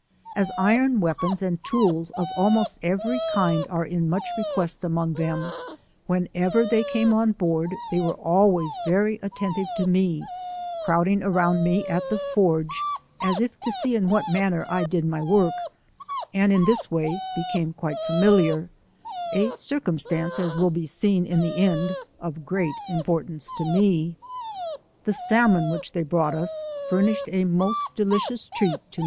As iron weapons and tools of almost every kind are in much request among them, whenever thsy came on board they were always very attentive to me, crowding around me at the forge, as if to see in what manner I did my work, and in this way became quite familiar, a circumstance, as will be seen in the end, of great importance to me. The salmon . which they lirought us furnished a most deliciooi treat to.